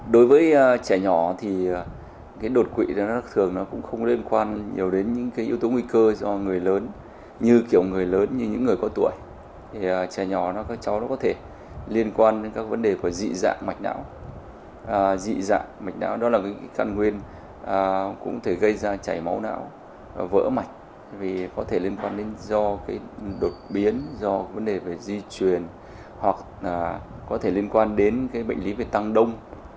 do đột biến do vấn đề về di truyền hoặc có thể liên quan đến bệnh lý về tăng đông